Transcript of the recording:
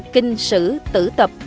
kinh sử tử tập